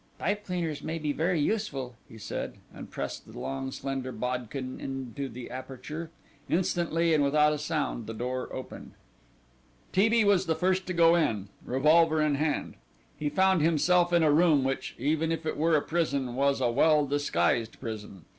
"Pipe cleaners may be very useful," he said, and pressed the long slender bodkin into the aperture. Instantly, and without sound, the door opened. T. B. was the first to go in, revolver in hand. He found himself in a room which, even if it were a prison, was a well disguised prison.